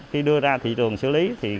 khi đưa ra thị trường sử lý